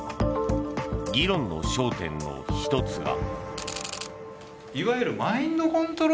議論の焦点の１つが。